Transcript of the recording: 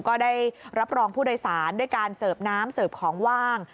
ก็ได้รับรองผู้โดยสารด้วยการเสิร์ฟน้ำเสิร์ฟของว่าง